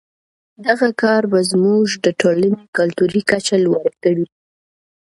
دغه کار به زموږ د ټولنې کلتوري کچه لوړه کړي.